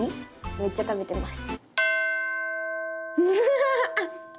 めっちゃ食べてます。